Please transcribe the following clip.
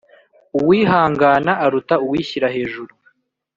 uwihangana aruta uwishyira hejuru